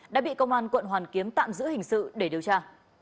đã bị công an quận hoàn kiếm tạm giữ hình sự để điều tra